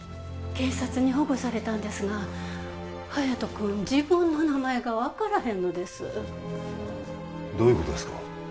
警察に保護されたんですが隼人君自分の名前が分からへんのですどういうことですか？